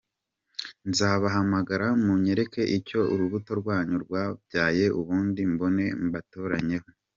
nzabahamagara munyereke icyo urubuto rwanyu rwabyaye ubundi mbone mbatoranyemo.